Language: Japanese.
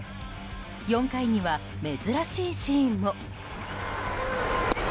４回には珍しいシーンも。